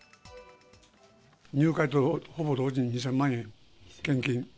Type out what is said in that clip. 入会とほぼ同時に２０００万円、献金。